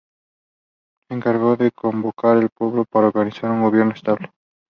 Se encargó de convocar al pueblo para organizar un gobierno estable.